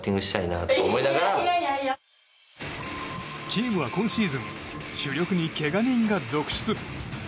チームは今シーズン主力にけが人が続出。